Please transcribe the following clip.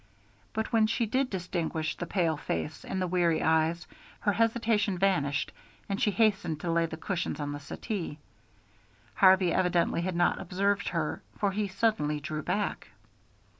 But when she did distinguish the pale face and the weary eyes, her hesitation vanished and she hastened to lay the cushions on the settee. Harvey evidently had not observed her, for he suddenly drew back.